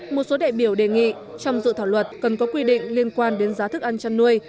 một số đại biểu đề nghị trong dự thảo luật cần có quy định liên quan đến giá thức ăn chăn nuôi